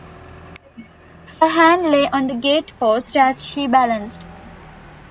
Her hand lay on the gate-post as she balanced.